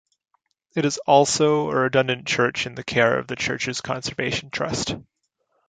It is also a redundant church in the care of the Churches Conservation Trust.